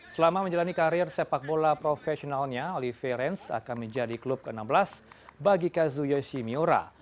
selama menjalani karir sepak bola profesionalnya olivierence akan menjadi klub ke enam belas bagi kazu yoshimura